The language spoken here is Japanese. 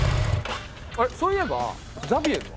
あれそういえばザビエルは？